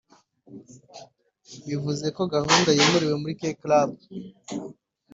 bivuze ko gahunda yimuriwe muri K Club